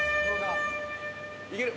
いける。